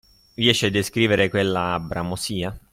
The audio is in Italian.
Riesci a descrivere quella bramosia?